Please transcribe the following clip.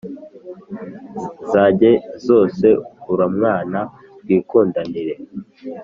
zajye zose uramwana twikundanire”